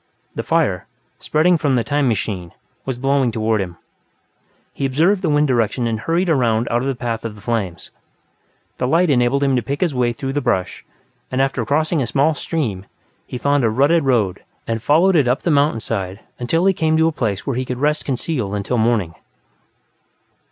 The fire, spreading from the "time machine", was blowing toward him; he observed the wind direction and hurried around out of the path of the flames. The light enabled him to pick his way through the brush, and, after crossing a small stream, he found a rutted road and followed it up the mountainside until he came to a place where he could rest concealed until morning.